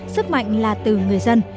sức mạnh là từ người dân